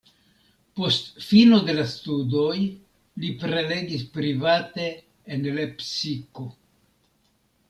Post fino de la studoj li prelegis private en Lepsiko.